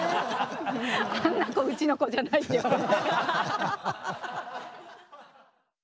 あんな子うちの子じゃないって言われる。